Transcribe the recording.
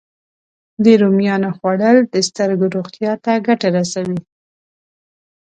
د رومیانو خوړل د سترګو روغتیا ته ګټه رسوي